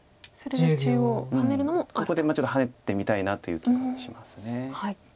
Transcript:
ここでちょっとハネてみたいなという気もします。